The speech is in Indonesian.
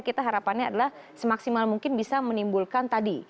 kita harapannya adalah semaksimal mungkin bisa menimbulkan tadi